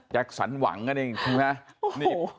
แจ็คสันหวังนี่